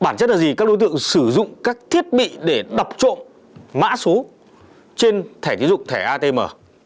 bản chất là gì các đối tượng sử dụng các thiết bị để đập trộm mã số trên thẻ tiến dụng thẻ atm